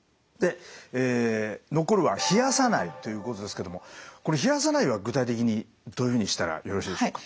え残るは冷やさないということですけどもこれ冷やさないは具体的にどういうふうにしたらよろしいでしょうか。